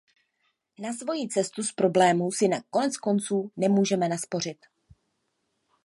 Na svoji cestu z problémů si koneckonců nemůžeme naspořit.